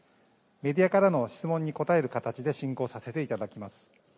メディアからの質問に答える形で進行させていただきます。